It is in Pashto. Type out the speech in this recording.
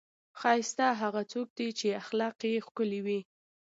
ښایسته هغه څوک دی، چې اخلاق یې ښکلي وي.